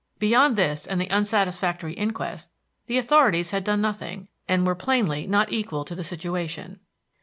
Beyond this and the unsatisfactory inquest, the authorities had done nothing, and were plainly not equal to the situation.